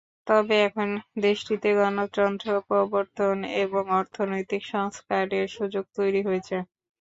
তবে এখন দেশটিতে গণতন্ত্র প্রবর্তন এবং অর্থনৈতিক সংস্কারের সুযোগ তৈরি হয়েছে।